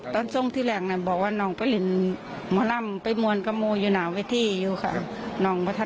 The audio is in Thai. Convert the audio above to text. แต่ก็เลือกเอาน้องไว่เพื่อใช้พิธีต่อ